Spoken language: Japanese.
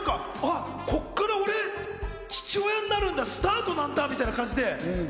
こっから俺、父親になるんだ、スタートなんだみたいな感じで。